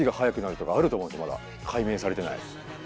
解明されてない。